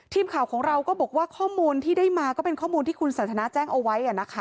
ทีมข่าวของเราก็บอกว่าข้อมูลที่ได้มาก็เป็นข้อมูลที่คุณสันทนาแจ้งเอาไว้นะคะ